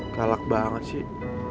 galak banget sih